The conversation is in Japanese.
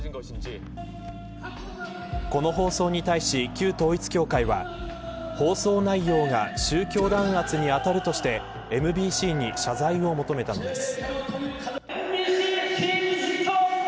この放送に対し旧統一教会は放送内容が宗教弾圧に当たるとしてＭＢＣに謝罪を求めたのです。